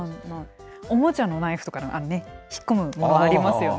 おもちゃのナイフとかの、引っ込むものありますよね。